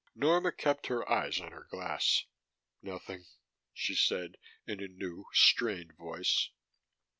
Norma kept her eyes on her glass. "Nothing," she said, in a new, strained voice.